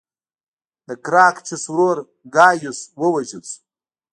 د ګراکچوس ورور ګایوس ووژل شو